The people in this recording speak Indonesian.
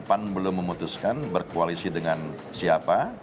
pan belum memutuskan berkoalisi dengan siapa